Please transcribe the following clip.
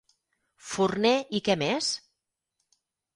Forner i què més?